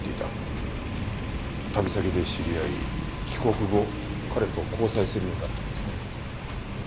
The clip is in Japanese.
旅先で知り合い帰国後彼と交際するようになったんですね。